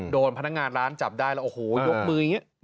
โดนพนักงานร้านจับได้โอ้โหยกมือยังงี้